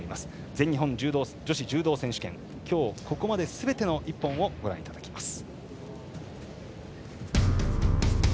全日本女子柔道選手権今日、ここまですべての一本をご覧いただきます。